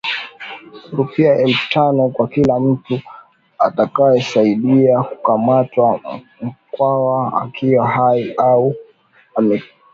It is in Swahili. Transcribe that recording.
rupia elfu tano kwa kila mtu atakayewasaidia kumkamata Mkwawa akiwa hai au amekufasita